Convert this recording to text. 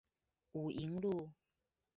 武營路